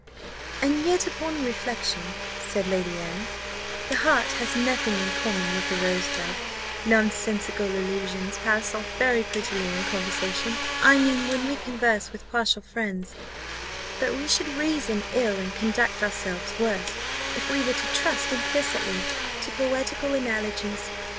"And yet, upon reflection," said Lady Anne, "the heart has nothing in common with a rosebud. Nonsensical allusions pass off very prettily in conversation. I mean, when we converse with partial friends: but we should reason ill, and conduct ourselves worse, if we were to trust implicitly to poetical analogies.